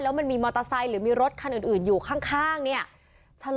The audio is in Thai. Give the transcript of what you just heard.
แล้วมันมีมอเตอร์ไซน์หรือมีรถขันอื่นอื่นอยู่ข้างเนี้ยชะล้อ